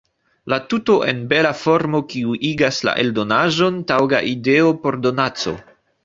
La tuto en bela formo, kiu igas la eldonaĵon taŭga ideo por donaco.